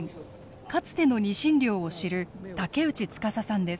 かつてのニシン漁を知る竹内司さんです。